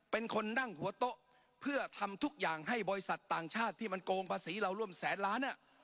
เป็นคนนั่งหัวโต๊ะเพื่อทำทุกอย่างให้บริษัทต่างชาติที่มันโกงภาษีเราร่วมแสนล้าน